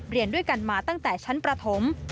เรียนด้วยกันมาตั้งแต่ชั้นประถม